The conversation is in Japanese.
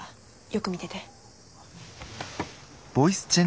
よく見てて。